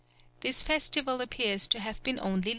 This festival appears to have been only local.